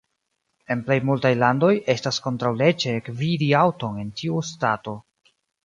En plej multaj landoj, estas kontraŭleĝe gvidi aŭton en tiu stato.